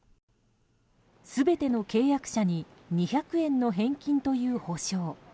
全ての契約者に２００円の返金という補償。